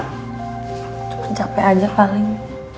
cuman capek aja paling